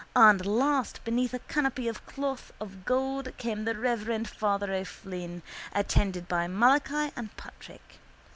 And last, beneath a canopy of cloth of gold came the reverend Father O'Flynn attended by Malachi and Patrick.